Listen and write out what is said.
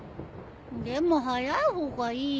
でも早い方がいいよ。